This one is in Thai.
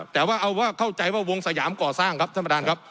แต่ว่าเอาว่าเข้าใจว่าวงสยามก่อสร้างครับท่านประธานครับ